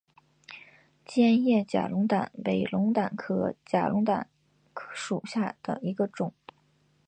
尖叶假龙胆为龙胆科假龙胆属下的一个种。